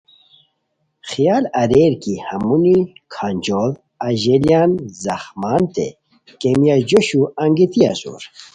خیال اریر کی ہمونی کھانجوڑ اژیلیان زخمانتے کیمیا جوشو انگیتی اسور